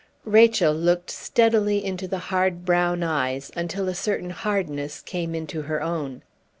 Rachel looked steadily into the hard brown eyes, until a certain hardness came into her own.